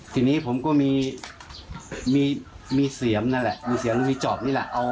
ทีนี้ผมก็มีเสียมนั่นแหละมีเสียงมีจอบนี่แหละ